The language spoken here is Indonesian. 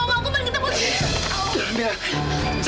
aku pengen ketemu